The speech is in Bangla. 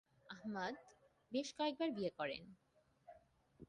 আহমদ বেশ কয়েকবার বিয়ে করেন।